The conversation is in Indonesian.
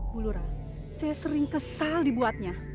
bulura saya sering kesal dibuatnya